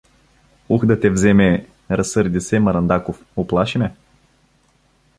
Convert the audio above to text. — Ух, да те вземе… — разсърди се Маръндаков — уплаши ме.